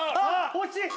惜しい！」